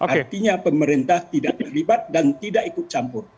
artinya pemerintah tidak terlibat dan tidak ikut campur